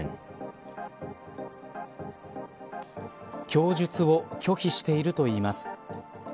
供述を拒否しているといいます。